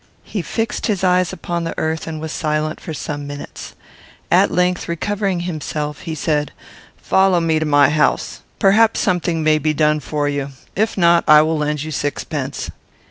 He fixed his eyes upon the earth, and was silent for some minutes. At length, recovering himself, he said, "Follow me to my house. Perhaps something may be done for you. If not, I will lend you sixpence."